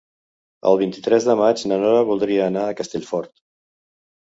El vint-i-tres de maig na Nora voldria anar a Castellfort.